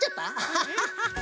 ハハハハ。